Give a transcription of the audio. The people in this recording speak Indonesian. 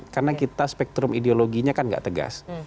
karena kita spektrum ideologinya kan gak tegas